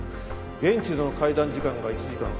現地の会談時間が１時間。